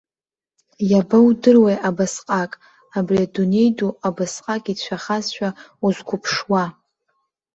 Иабоудыруеи абасҟак, абри адунеи ду абасҟак иҭшәахазшәа узқәыԥшуа?!